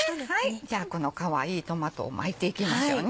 じゃあこのかわいいトマトを巻いていきましょうね。